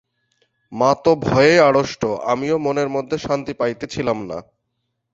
মা তো ভয়ে আড়ষ্ট, আমিও মনের মধ্যে শান্তি পাইতেছিলাম না।